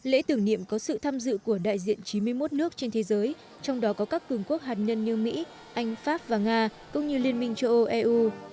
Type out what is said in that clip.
lễ tưởng niệm có sự tham dự của đại diện chín mươi một nước trên thế giới trong đó có các cường quốc hạt nhân như mỹ anh pháp và nga cũng như liên minh châu âu eu